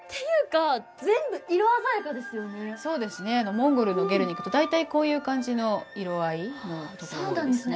モンゴルのゲルに行くと大体こういう感じの色合いのところが多いですね。